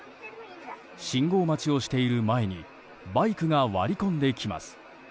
信号待ちをしている前にバイクが割り込んできます。